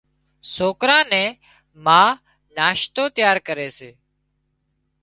سوڪران نِي ما ناشتو تيار ڪري سي۔